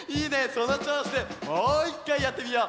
そのちょうしでもういっかいやってみよう！